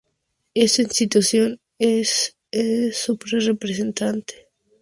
Y esta institución es su representante.